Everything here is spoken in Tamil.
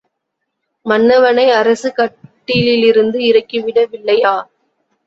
மன்னவனை அரசு கட்டிலிலிருந்து இறக்கிவிட வில்லையா?